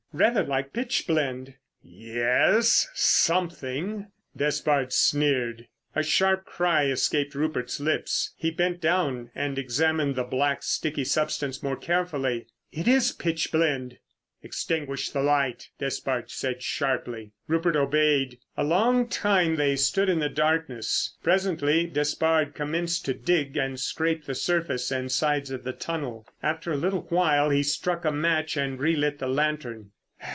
"Rather like pitch blende." "Yes—something," Despard sneered. A sharp cry escaped Rupert's lips. He bent down and examined the black, sticky substance more carefully. "It is pitch blende!" "Extinguish the light," Despard said sharply. Rupert obeyed. A long time they stood in the darkness. Presently Despard commenced to dig and scrape the surface and sides of the tunnel. After a little while he struck a match and re lit the lantern.